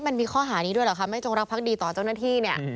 มันมีข้อหานี้ด้วยเหรอคะไม่จงรักพักดีต่อเจ้าหน้าที่เนี่ย